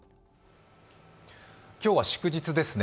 今日は祝日ですね。